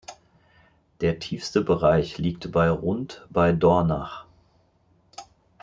Der tiefste Bereich liegt bei rund bei Dornach.